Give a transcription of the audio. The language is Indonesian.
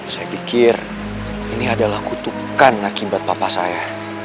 saya pikir ini adalah kutukan akibat papa saya